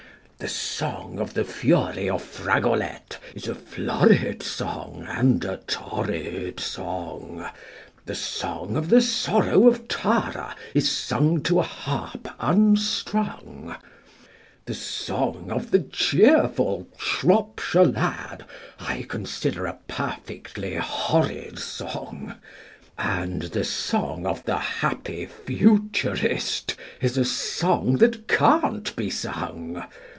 The song of the fury of Fragolette is a florid song and a torrid song, The song of the sorrow of Tara is sung to a harp unstrung, The song of the cheerful Shropshire Lad I consider a perfectly horrid song, And the song of the happy Futurist is a song that can't be sung.